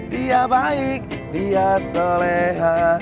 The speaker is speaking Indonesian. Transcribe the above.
dia baik dia soleha